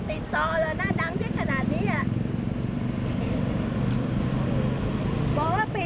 พี่พีทก่อนของขวัญขวัญ